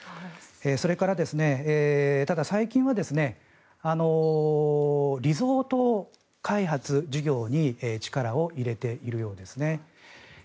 それから、ただ、最近はリゾート開発事業に力を入れているようです。